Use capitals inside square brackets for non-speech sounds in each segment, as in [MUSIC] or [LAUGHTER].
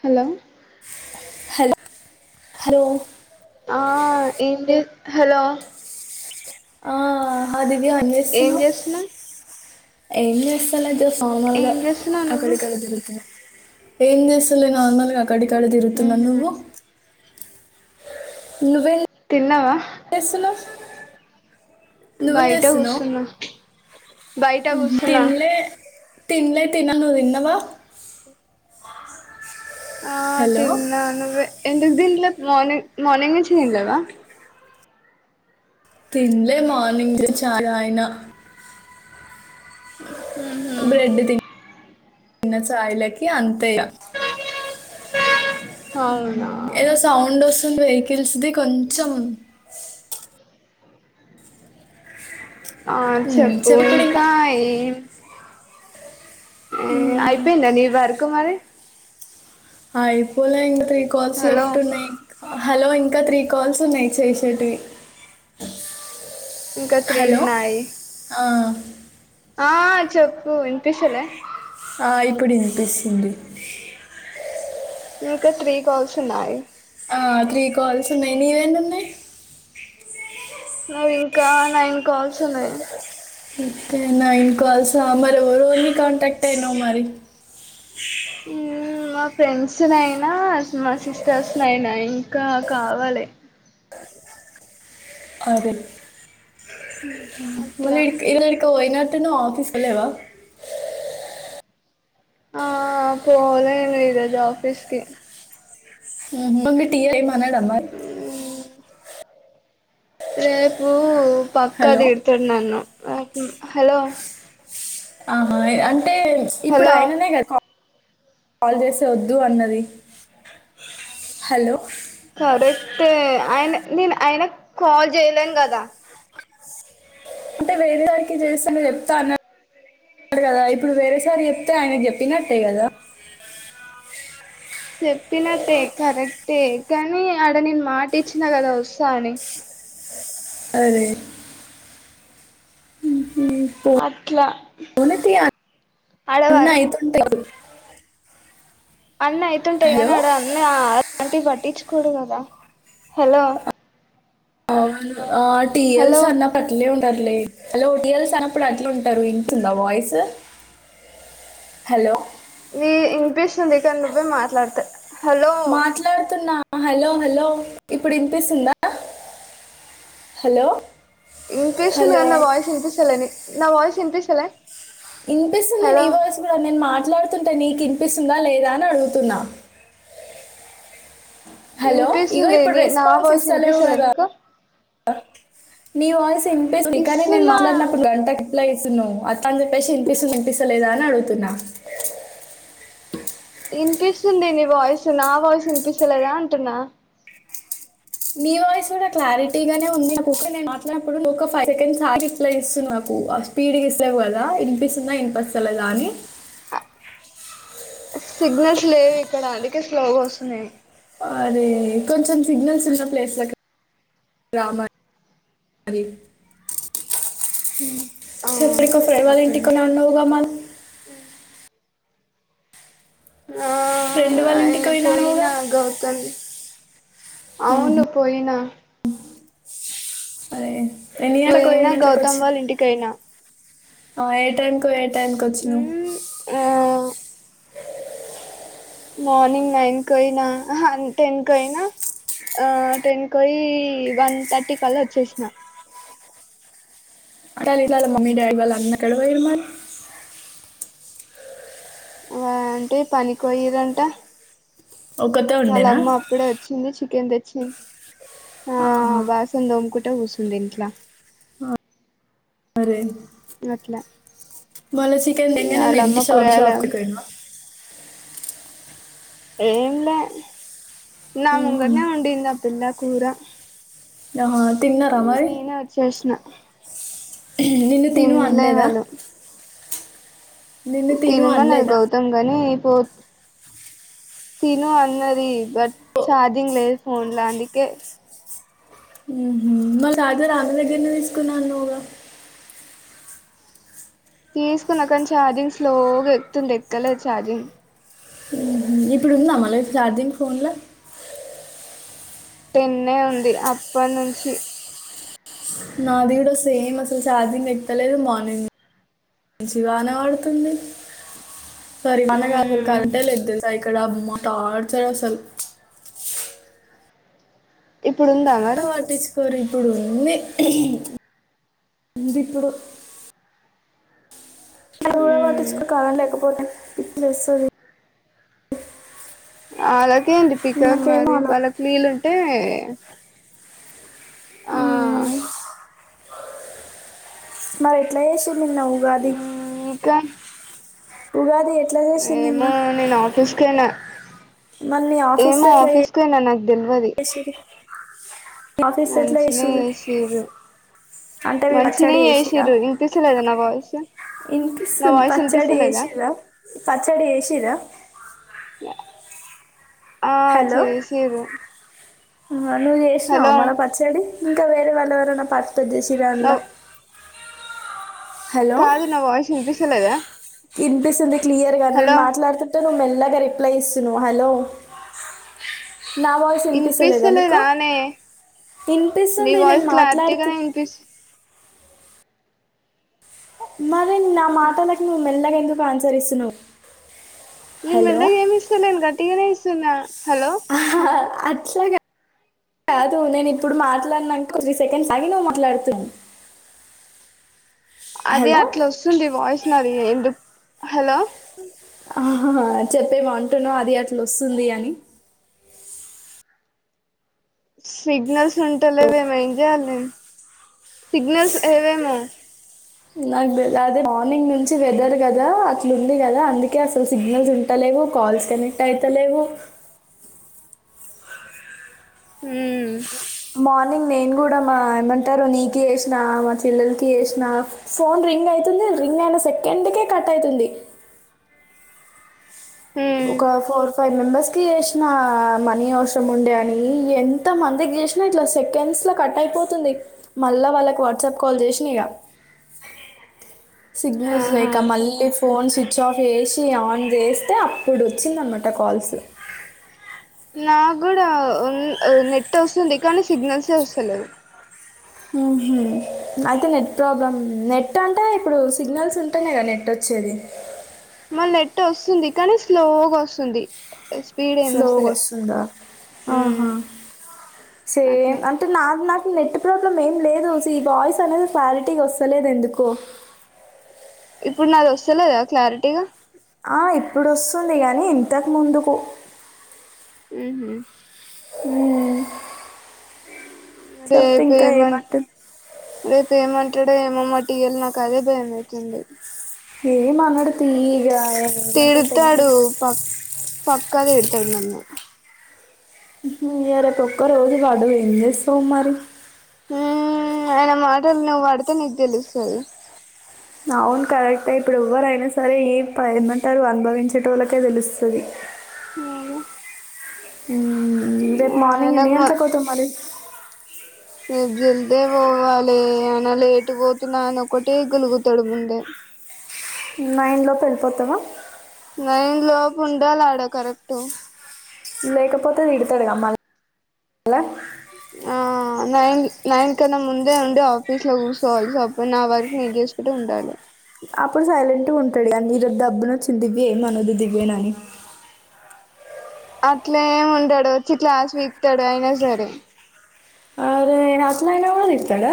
Hello hello hello ఆ ఏంజే hello ఆ దివ్య ఏం ఎంజేస్తున్నావ్ చేస్తున్నావ్ ఏం జేస్తాలే ఫార్మల్గా ఏం చేస్తున్నావు అక్కడ నువ్వు ఇక్కడ తిరుగుతున్న ఏం జేస్తాలే నార్మల్గా కాడి కడ తిరుగుతున్న ఉహు నువ్వు నువ్వేం తిన్నావా జేస్తున్నావ్ నువ్వేం బయట జేస్తున్నావ్ కూర్చున్నా బయట కూర్చున్నా తిన్లే తిన్లే తినాలి నువ్వు తిన్నావా ఆ హలో తిన్న నువ్వే ఎందుకు తిన్లేవ్ మార్నింగ్ మార్నింగ్ నుంచి తిన్లేవా? తిన్లే మార్ర్నింగ్ తీ చాయ్ దాగిన ఉహు బ్రెడ్ తి న్నా చాయ్ లకి అ తేగా అవునా ఏదో సౌండ్ వస్తుంది వెహికల్ ది కొంచ్చమ్ ఆ చెప్పు ఇంకా ఏం ఉమ్ అయిపోయింద నీ వర్కు మరి అయిపోలే ఇంక ఈ కాల్స్ హలో లెఫ్ట్ ఉన్నయ్ హలో ఇంకా త్రీ కాల్స్ ఉన్నాయి చేసేటివి ఇంకా త్రీ హలో ఉన్నాయి ఆ ఆ చెప్పు వింపిస్తలే ఆ ఇప్పుడు వినిపిస్తుంది. ఇంకా త్రీ కాల్స్ ఉన్నాయ్ ఆ త్రీ కాల్స్ ఉన్నాయ్ నీవేన్ని ఉన్నాయ్? నావి ఇంకా నైన్ కాల్స్ ఉన్నాయ్. ఓకే నైన్ కాల్సా మరి ఎవరోవరిని కాంటాక్ట్ అయినావు మరి? ఉఊ మా ఫ్రెండ్స్ నైనా, మా సిస్టర్స్ నైనా ఇంకా కావాలే అదే అట్లా వల్లడికి ఈలూ ఏడుకు పోయిన తిన్నావా ఆఫీస్ కెళ్ళావా? ఆ పోలేను ఈరోజు ఆఫీస్ కి ఉహు మీ తీల్ ఏం అనడా అమర్ రేపు పక్క హలో దిడుతున్నాను నాకి హలో ఆహా ఏ అంటే ఇప్పుడు హలో ఆయననే కదా క కాల్ జేసే వద్దు అన్నది హలో కరెక్టే ఆయన నేను ఆయనకు కాల్ జేయలేను గదా. అంటే వేరే సారికి జేస్తనే చెప్తా అన్నా అన్నాడు గదా ఇప్పుడు వేరే సార్ కి జేప్తే ఆయన జేప్పినట్టే గదా. చెప్పినట్టే కరెక్టే కానీ అడ నేను మాట ఇచ్చినా గదా వస్తా అని. అరే అట్లా ఉన్నాయితీ ఆడ అవ్ వర్క్ అయితుంటాయి అవి అన్నీ అయితుంటాయి హలో గానీ అడ అన్నీ ఆ టి పట్టీంచుకోరు కూడు గదా హలో ఆ టీయస్ హలో అన్నాప్పట్లే ఉంటద్ ఉండదులే హలో టియాల్స్ అన్నప్పుడు అట్లా ఉంటాది ఇంకుందా వాయిస్ హలో ది వినిపిస్తుంది కానీ నువ్వే మాట్లాడతా మాట్లాడుతున్నా హలో హలో ఇప్పుడు వినిపిస్తుందా? హలో ఇనిపిస్తుంది హలో గనీ నా వాయిస్ ఎనిపిస్తలే నీకు నా వాయిస్ ఇనిపిస్తాలే ఇనిపిస్తుంది నీ వాయిస్ గూడా నేను మాట్లాడుత తుంటే నీకినిపిస్తుందా లేదా అని అడుగుతున్నా. హలో ఇగ వినిపిస్తుంది ఇప్పుడు నీ నా రెస్పాన్స్ వాయిస్ ఇస్తలేవు వినిపిస్తలే గదా నీకు అ నీ వయిస్ ఇంపేస్ ది కానీ నేను ఇస్తున్నా మాట్లాడినప్పుడు గంటకి ప్లై సున్నవు అత అందజేప్పేసి ఇనిపిస్తు వినిపిస్తాలేదా, అని అడుగుతున్నా. వినిపిస్తుంది నీ వాయిస్ నా వాయిస్ వినిపిస్తలేదా అంటున్నా? నీ వాయిస్ కూడా క్లారిటీ గానే ఉంది. నేను మాట్లాడినప్పుడు ను ఒక ఫైవ్ సెకండ్స్ ఆగి రిప్లై ఇస్తున్నాం. స్పీడ్ గ ఇస్తవు గదా వినిపిస్తుందా, ఇనిపస్తలేదా అని అ సిగ్నల్స్ లేవు ఇక్కడ అందుకే స్లోగా వస్తున్నయ్ అరే కొంచెం సిగ్నల్స్ ఉన్న ప్లేస్లకి రామ రి ఉం ఆ చెప్ ఎవరికో ఫ్రెండ్ వాళ్ళ ఇంటికి పోతున్నా పోయినవ్ అన్నావుగా మరి ఆ ఫ్రెండ్ వాళ్ళ ఇంటికి అ ఉన్నావుగా పోయినా గౌతమ్ ఉహు. అవును పోయినా సరే ఎన్ని గంట్లక్వొయి పోయినా గౌతమ్ ఎన్నిగంట్లకొచ్చవ్? వాళ్ళ ఇంటికయినా ఆ ఏ టైంకు వోయి ఏ టైంకొచ్చినవ్? ఆ మార్నింగ్ నైన్ క్వొనా అహ టెన్ క్వొనా ఆ టెన్ క్వొయి వన్ థర్టీ కల్లా వచ్చేసిన అంటాల ఇలాల మమ్మీ డాడీ వాళ్ళ అన్న ఎక్కడ్వోరు మరి వా అంటే పనికి పోయిరంట ఒక్కతే ఉండేనా వాళ్ళమ్మ అప్పుడే వచ్చింది చికెన్ తెచ్చింది ఆ ఆహా బాసన్ దోముకుట్ ట్ట కూసుందింట్లా అరే మళ్ళ చికెన్ ఇగ నిన్ననే తింటి ఆళ్ళమ్మ స్వామి కూరగాయలు షాప్ కి పోయిన ఏంలే నా ముంగన్నే వడ్డీది పిల్ల కూర ఆహా తిన్నార ఇగ మరి నేనే వచ్చేసిన ఉహు నిన్ను తినలే తినుమన్లేదా తినుమన్నది అనలేదా గౌతమ్ గాని గొ తిను అన్నది బట్ ఛార్జింగ్ లేద్ ఫోన్లా అందుకే ఉహు మల్ల చార్జర్ అమ్మే దగ్గరనే తీస్కున్నాన్నవ్ గా తీస్కున్న కాని ఛార్జింగ్ స్లో గెక్కుతుంది ఎక్కలేదు ఛార్జింగ్ ఉహు ఇప్పుడుందా మళ్ళ ఛార్జింగ్ ఫోన్ల టన్నే ఉంది అప్పనుంచి నాది కూడా సేమ్ అస్సలు ఛార్జింగెక్తలేదు మార్నింగ్ నిం చి వాన వడ్తుంది సరి వన గాదు మ్మ్ కరెంటే లేదెల్సా ఇక్కడ అమ్మా టార్చర్ అస్సల్ ఇప్పుడు ఉందా ట్ మరి వట్టించ్కోరే ఇప్పుడుంది ఉహు ఉందిప్పుడు ఎవ్వరూ మ్మ్ వట్టించ్కోర్ కరెంట్ లేకపోతే పిచ్చిలేస్సది ఆలక్కేంది పికర్ మరి అలా వాళ్ళక్వీలుంటే ఆ మరెట్లా చేషిర్ నిన్న ఉగాది మ్మ్ ఇంకా ఉగాది ఎట్లాజేషిర్ నిన్న కేనా మరి మీ ఆఫీస్లో ఏమో ఎట్లా ఆఫీస్ కి పోయినా నాకు దెల్వది మాఫీస్లెట్లా చేషిరు చేసిర్రు అంటే మీ మంచినే పచ్చడి చేషిర్రా చేసిర్రు వినిపిస్తలేదా నా వాయిస్ నా ఇన్పిస్సుంద్ వాయిస్ పచ్చడి వినిపిస్తలేదా చేషిర్రా పచ్చడి చేషిర్రా ఆ చేేషిర్రు ఆ నువ్వు చేష్నవా మల పచ్చడి ఇంకా వేరే వాళ్ళెవరన్న పార్టిసిపేట్ నా జీషిరాల్లా కాదు నా వాయిస్ ఇన్పిస్సలేదా ఇన్పిస్సుంది క్లియర్ గా నేను మాట్లాడ్తుంటే నువ్ మెల్లగ రిప్లై ఇస్సున్నవ్ హలో నా వాయిస్ ఇన్పిస్సలేదా నీకు వినిపిస్తలేదానే నీ ఇన్పిస్సుంది నేను వాయిస్ మాట్లాడ్తే క్లారిటీగానే వినిపిస్ మరి నా మాటలకి నువ్వు మెల్లగెందుకు ఆన్సరిస్తున్నవ్ నెన్ మెల్లగేమిస్తలేను గట్టిగనే ఇస్సున్నా అహహా అట్లగ కాదు నేనిప్పుడు మాట్లాడ్నంక త్రీ సెకండ్స్ ఆగి నువ్వు మాట్లాడ్తున్నవ్ అదీ అట్లొస్సుంది వాయిస్ నాది ఎందుక్ హలో ఆహ చెప్పేమో అంటున్నవ్ అది అట్లొస్సుంది అని సిగ్నల్స్ ఉంటలెవేమో ఎంజెయాలే సిగ్నల్స్ ఏ వేమో నాక్ తె అదే మార్నింగ్ నుంచి వెదర్ కదా అట్లు ఉంది కదా అందుకే అసలు సిగ్నల్స్ ఉంటలే కల్స్ కనెక్ట్ అయితలేవు ఉమ్ మార్నింగ్ నేను గుడా మా ఏమంటారు నీక చేసినా మా చెల్లెలికి చేసినా ఫోన్ రింగ్ ఐతుంది రింగ్ అయిన సెకండ్ కే కట్ అయితుంది మ్మ్ ఒక ఫోర్ ఫైవ్ మెంబెర్స్కి చేసినా మనీ అవసరం ఉండే అని ఎంత మందికి చేసినా ఇట్లా సెకండ్స్ స్లా కట్ అయిపోతుంది మళ్ళా వాళ్ళకు వాట్సాప్ కాల్ చేసిన ఇగ సిగ్నల్స్ ఆహా లేక మళ్ళీ ఫోన్ స్విచ్ ఆఫ్ చేసి ఆన్ చేస్తే అప్పుడు వచ్చింది అనమాట కాల్స్ ఉ నా కూడా ఉం ఉ నెట్ ఆస్తుంది కానీ సిగ్నల్సే వస్తలేవ్ ఊహు అయితే నెట్ ప్రాబ్లమ్ నెట్ అంటే ఇప్పుడు సిగ్నల్స్ ఉంటెనే కదా నెట్ వచ్చి చేది మాల్ నెట్ అస్తుంది కానీ స్లోగా అస్తుంది స్లోగొస్తుందా మ్మ్ ఆహా అట్లా సేమ్ అంటే నాది నక్ నెట్ ప్రాబ్లం ఏం లేదు సి వాయిస్ అనేది క్లారిటీగా వస్తలేదు ఎందుకొ ఇప్పుడు నాది వస్తులేద క్లారిటీగా ఆ ఇప్పుడొస్తుంది గానీ ఇంతకు ముందుకు ఊహూ ఊమ్ డే పేమన్ ఏమంటుంది రేపు ఏమంటడో ఏమో మ టీయల్ నాకు అదే భయంమవుతుంది ఏ మనడు తీయి ఇగ ఏం అంటరు తిడతాడు టెన్షన్ పక్ పక్కా తిడతాడు నన్ను [UNINTELLIGIBLE] ఉహు ఇగ రేపు ఒక్క రోజు పడు ఏం జేస్తావ్ మరి మ్ ఆయన మాటలు నువ్వు పడితే నీకు తెలుస్తది అవును కరెక్టే ఇప్పుడు ఎవ్వరైనా సరే ఏ ప ఏమంటారు అనుభవించేటోళ్ళకే తెలుస్తది ఉ మ్ రేపు మార్నింగ్ ఎన్ని గంటలకు పోతావ్ మరి రేప్ జల్దే పోవాలే అనా లేటు పోతున్నా అని ఒక్కటే గలుగుతాడు ముందే ఉ నైన్ లోప్ ఎళ్ళిపోతవా నైన్ లోపు ఉండాలాడా కరెక్ట్ లేేకపోతే తిడుతడుగా మల్ల ఆ ఆ నైన్ నైన్ కన్నా ముందే ఉండి ఆఫీస్ లో కుసోవాలి సో అప్పుడు నా వర్క్ నేను చేసుకుంటే ఉండాలి అప్పుడు సైలెంట్ గా ఉంటాడు ఇగ ఈ రోజు దబ్బున వచ్చింది దివ్య ఏమనడు దివ్య నని అట్లే ఏమి ఉండడు వచ్చి క్లాస్ విక్తడు అయినా సరే నే రక్మయినా కూడా తిడతడ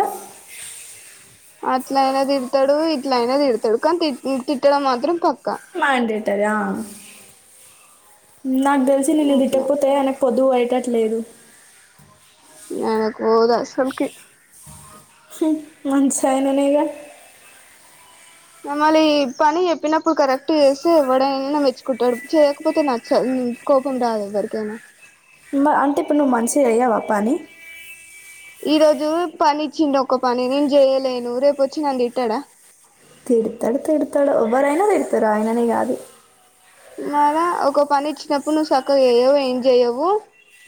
అట్ల అయినా తిడతాడు ఇట్ల అయినా తిడతాడు కానీ తి తిట్టడం మాత్రం పక్ మన్డేటారీ నక్ తెలిసి నేను అట్లా తిట్టకపోతే అయినాక్ పొదువు వేటట్లేదు అయినాక్ పోదా అసల్కి మంచై ఆయననేగా ఇగ మళ్ళి పని చెప్పినప్పుడు కరెక్ట్ చేస్తె ఎవ్వడైన మెచ్చుకుంటాడు చేయక్పోతే నచ్చదు ఉ కోపం రాదెవ్వరికైన మ అంటే ఇప్పుడు నువ్వు మంచిజెయ్యవా పని ఈరోజు పనిచ్చిండొక పని నేను జెయ్యలేను రేపొచ్చి నన్ను తిట్టడా తిడ్తడు తిడ్తడు ఎవ్వరైనా తిడ్తరు ఆయననే కాదు మార ఒక పని ఇచ్చినప్పుడు నువ్వు సక్కగా చేయవు ఏం జెయ్యవు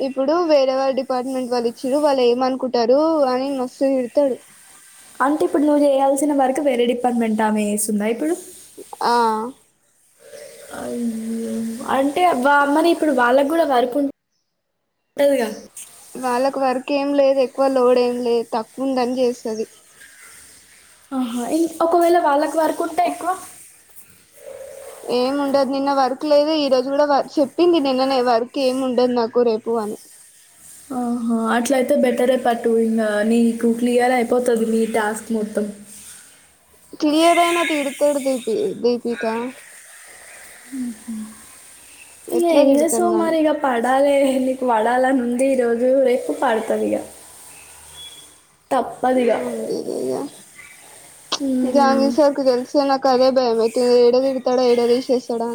ఇప్పుడు వేరే వాడి డిపార్ట్మెంట్ వాళ్ళు ఇచ్చారు వాళ్ళు ఏమన్కుంటరు అని మస్తు తిడ్తడు అంటే ఇప్పుడు నువ్వు జెయాల్సిన వర్క్ వేరే డిపార్ట్మెంట్ ఆమె వేస్తుందా ఇప్పుడు ఆ అంటే వా మరి ఇప్పుడు వాళ్ళగ్గూడ వర్కు ఉం టదిగా వాళ్ళకు వర్క్ ఏం లేదు ఎక్కువ లోడ్ ఏం లే తక్కువ ఉందని చేస్తుంది ఆహా ఇం ఒకవేళ వాళ్ళక్వర్కుంటే ఎక్కువ ఏముండదు నిన్న వర్క్ లేదు ఈరోజు కూడా వ చెప్పింది నిన్నే వర్కేముండదు నాకు రేపు వన్స్ ఆహా అట్లైతే బెటరే పటు ఇంగా నీకు క్లియర్ అయిపోతది నీ టాస్క్ మొత్తం క్లియరైనా తిడ్తడు దీపి దీపికా ఎట్లా ఇంగేం తిడతాడు జేస్తవ్ నన్ను మరి గా పడాలే నీకు వడాలని ఉందీ రోజు రేపు పడ్తది ఇగా ఛ ఉమ్, జాంగిర్ సారీక్కి దెల్సే నా కదే భయమైత ఏడదిడ్తడో ఏడతీసేస్తాడు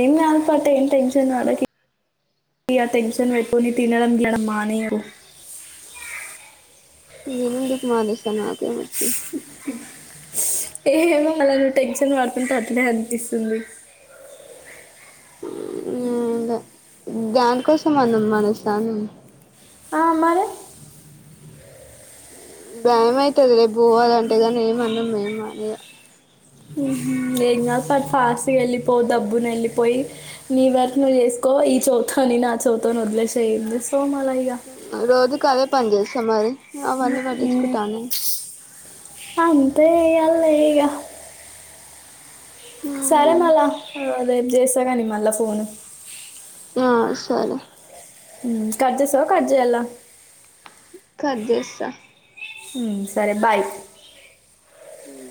ఏంగాదు పటూ ఏం టెన్షన్ వడకి ఇగ టెన్షన్ వెట్కోని తినడం గినడం మానేయకూ నేనెందుకు మాదేస్తా నాకేమోచ్చిం ఏమో మళ్ళా నువ్వు టెన్షన్ వడ్తుంటె అట్లే అనిపిస్తుంది ఏంలే గాన్కోసం అన్నం మానేస్తాన్ నేను ఆ మరి భమైతది రేపు పోవాలంటేయ్ ఏమన్నాం మేమడ్గ ఇగ ఉహు ఏం గాద్ పట్ ఫాస్ట్కకెళ్ళిపో దబ్బునెళ్ళిపోయి నీ వర్క్ నువ్వు చేస్కో ఓ ఈ చెవితో విని ఆ చెవితో వదిలేసే ఏం చేస్తావ్ మా రోజుకదే పని జేస్తా మరి అవన్నీ ఏంలే పట్టించుకుంటాను చ్ కావును ప్పేయ్యాల్లే ఇగ సరే మలా రేప్ జీస్తకాని మళ్ళ ఫోన్ ఆ సరే కట్ చేస్తవా కట్ జెయ్యలా కట్ జెస్తా హ్మ్ సరే బాయ్ హ్మ్